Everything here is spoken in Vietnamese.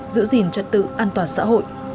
giữ gìn trật tự an toàn xã hội